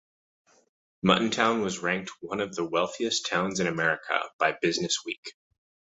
Muttontown was ranked one of the wealthiest towns in America by "BusinessWeek".